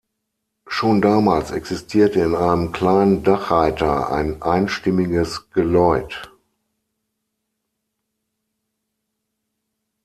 Schon damals existierte in einem kleinen Dachreiter ein einstimmiges Geläut.